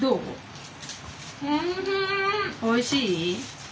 おいしい。